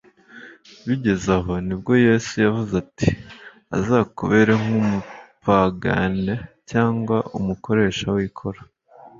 Bigeze aho nibwo Yesu yavuze ati : "Azakubere nk'umupagane cyangwa umukoresha w'ikoro."